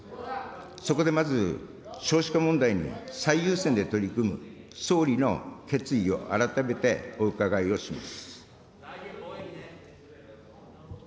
そこでまず、少子化問題に最優先で取り組む総理の決意を改めてお伺いをします。